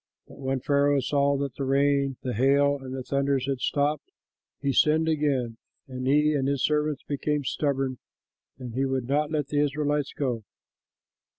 But when Pharaoh saw that the rain and the hail and the thunders had stopped, he sinned again, and he and his servants became stubborn, and he would not let the Israelites go.